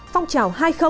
phong trào hai